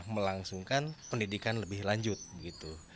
melangsungkan pendidikan lebih lanjut